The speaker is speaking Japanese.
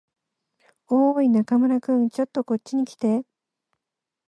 おーい、中村君。ちょっとこっちに来て。